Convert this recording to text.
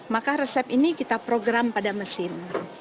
maka resep ini kita program pada mesin